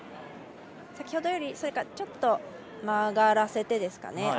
先ほどより、それかちょっと曲がらせてですかね。